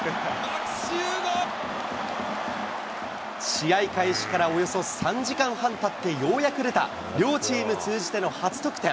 試合開始からおよそ３時間半たって、ようやく出た両チーム通じての初得点。